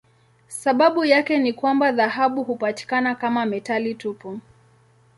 Sababu yake ni kwamba dhahabu hupatikana kama metali tupu.